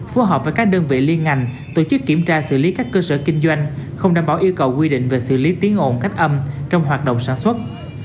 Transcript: phù hợp với các đơn vị liên ngành tổ chức kiểm tra xử lý các cơ sở kinh doanh không đảm bảo yêu cầu quy định về xử lý tiếng ồn cách âm trong hoạt động sản xuất